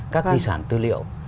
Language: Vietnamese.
các di sản tư liệu